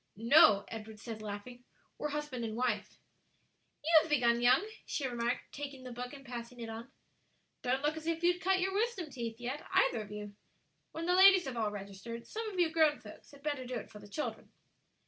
"No," Edward said, laughing, "we're husband and wife." "You've begun young," she remarked, taking the book and passing it on; "don't look as if you'd cut your wisdom teeth yet, either of you. When the ladies have all registered, some of you grown folks had better do it for the children."